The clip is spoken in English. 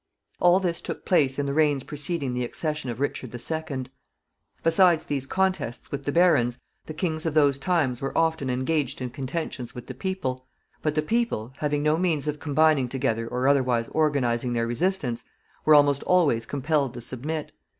All this took place in the reigns preceding the accession of Richard II. Besides these contests with the barons, the kings of those times were often engaged in contentions with the people; but the people, having no means of combining together or otherwise organizing their resistance, were almost always compelled to submit.